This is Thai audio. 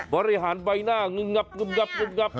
บริหารใบหน้างึงงับงึงงับงึงงับ